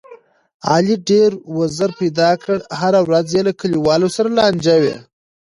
علي ډېر وزر پیدا کړي، هره ورځ یې له کلیوالو سره لانجه وي.